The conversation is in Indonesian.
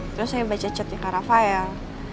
terus saya baca chatnya ke rafael